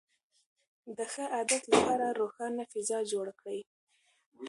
د ښه عادت لپاره روښانه فضا جوړه کړئ.